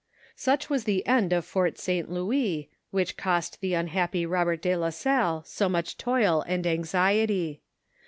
Bach waa the end of Fort St Louis^ whioh coat the unhappy Robert de la Salle ■0 much toil and amdely.